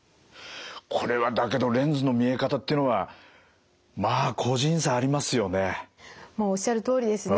これはだけどレンズの見え方っていうのはまあ個人差ありますよね。